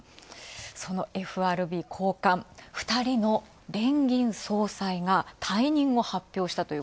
そのＦＲＢ高官、２人の連銀総裁が退任を発表したと。